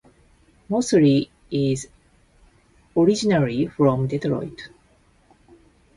Mosley is originally from Detroit.